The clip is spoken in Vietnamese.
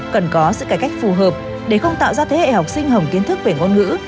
cần có sự cải cách phù hợp để không tạo ra thế hệ học sinh hồng kiến thức về ngôn ngữ